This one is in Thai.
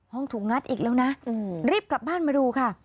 ถูกงัดอีกแล้วนะรีบกลับบ้านมาดูค่ะ